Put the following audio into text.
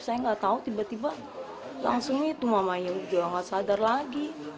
saya gak tau tiba tiba langsung itu mamanya udah gak sadar lagi